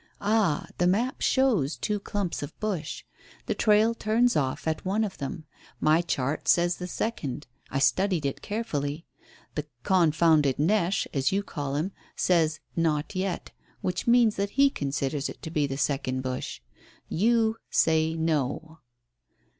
"Ah, the map shows two clumps of bush. The trail turns off at one of them. My chart says the second. I studied it carefully. The 'confounded neche,' as you call him, says 'not yet.' Which means that he considers it to be the second bush. You say no."